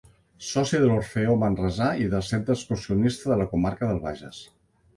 Soci de l’Orfeó Manresà i del Centre Excursionista de la Comarca de Bages.